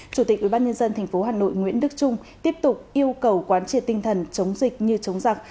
chủ tịch ubnd tp hà nội nguyễn đức trung tiếp tục yêu cầu quán triệt tinh thần chống dịch như chống giặc